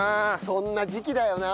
そんな時期だよな。